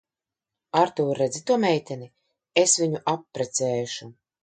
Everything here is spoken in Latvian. Artūr, redzi to meiteni? Es viņu apprecēšu.